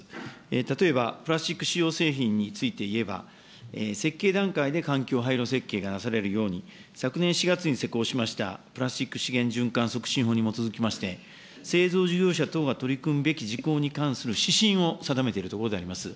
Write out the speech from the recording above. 例えば、プラスチック使用製品についていえば、設計段階で環境配慮設計がなされるように、昨年４月に施行しました、プラスチック資源循環促進法に基づきまして、製造事業者等が取り組むべき事項に関する指針を定めているところであります。